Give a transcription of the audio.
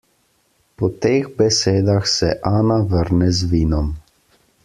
Po teh besedah se Ana vrne z vinom.